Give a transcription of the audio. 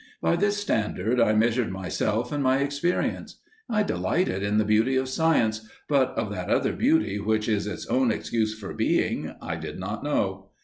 By this standard I measured myself and my experience. I delighted in the beauty of science, but of that other beauty which is its own excuse for being, I did not know.